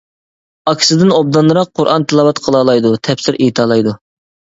ئاكىسىدىن ئوبدانراق قۇرئان تىلاۋەت قىلالايدۇ، تەپسىر ئېيتالايدۇ.